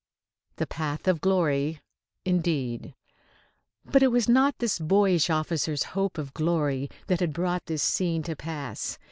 The path of glory, indeed! But it was not this boyish officer's hope of glory that had brought this scene to pass.